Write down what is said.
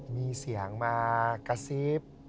มีเสียงมากระซิบ